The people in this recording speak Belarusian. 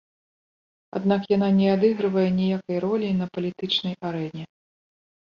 Аднак яна не адыгрывае ніякай ролі на палітычнай арэне.